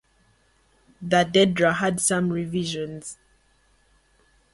The Dedra had some revisions.